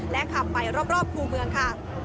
และขับไปรอบภูเมืองค่ะ